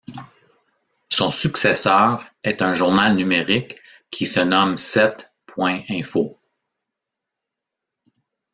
Son successeur est un journal numérique qui se nomme Sept.info.